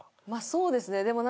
まあそうですね。